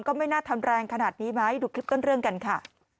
ก็ไม่น่าทำแรงขนาดนี้ไหมดูคลิปต้นเรื่องกันค่ะ